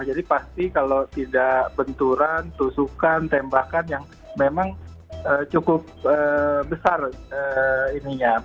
jadi pasti kalau tidak benturan tusukan tembakan yang memang cukup besar ini ya